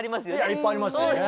いっぱいありますよね。